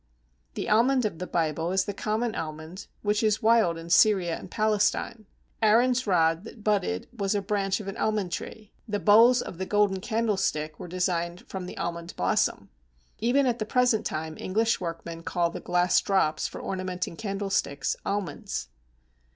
The Almond of the Bible is the common almond which is wild in Syria and Palestine. "Aaron's rod that budded was a branch of an almond tree; the bowls of the Golden Candlestick were designed from the almond blossom. Even at the present time English workmen call the glass drops for ornamenting candlesticks almonds."